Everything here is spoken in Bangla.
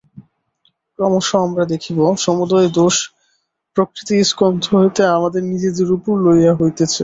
ক্রমশ আমরা দেখিব, সমুদয় দোষ প্রকৃতির স্কন্ধ হইতে আমাদের নিজেদের উপর লওয়া হইতেছে।